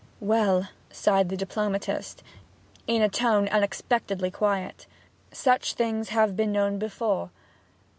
'Well,' sighed the diplomatist, in a tone unexpectedly quiet, 'such things have been known before.